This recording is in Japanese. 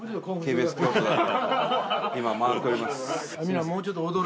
今回っております。